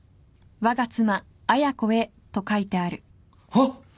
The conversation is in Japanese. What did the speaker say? はっ！